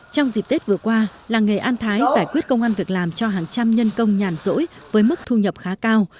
trong dịp tết vừa qua làng nghề an thái giải quyết công an việc làm cho hàng trăm nhân công nhàn rỗi với mức thu nhập khá cao